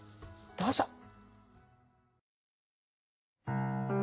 どうぞ。